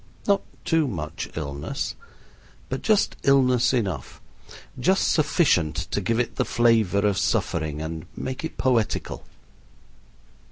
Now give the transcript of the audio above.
Not too much illness, but just illness enough just sufficient to give it the flavor of suffering and make it poetical.